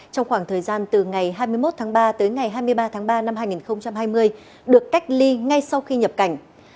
trong khoảng thời gian từ ngày hai mươi một tháng ba tới ngày hai mươi ba tháng ba năm hai nghìn hai mươi được cách ly ngay sau khi nhập cảnh